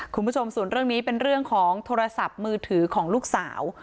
คุณผู้ชมส่วนเรื่องนี้เป็นเรื่องของโทรศัพท์มือถือของลูกสาว